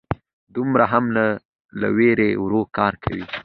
_دومره هم نه، له وېرې ورو کار کوي.